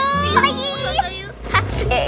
ustazah kita minum dulu yuk